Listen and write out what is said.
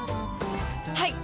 はい！